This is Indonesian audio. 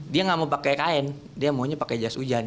dia nggak mau pakai kain dia maunya pakai jas hujan